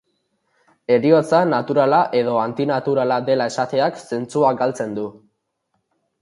Heriotza naturala edo antinaturala dela esateak zentzua galtzen du.